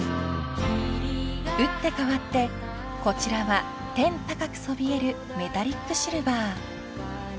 ［打って変わってこちらは天高くそびえるメタリックシルバー］